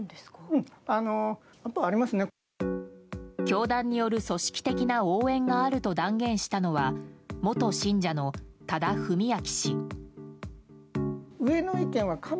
教団による組織的な応援があると断言したのは元信者の多田文明氏。